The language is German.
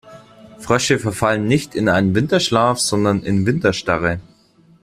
Frösche verfallen nicht in einen Winterschlaf, sondern in Winterstarre.